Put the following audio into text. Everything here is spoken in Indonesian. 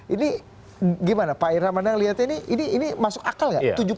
ini gimana pak irham ada yang lihat ini ini masuk akal gak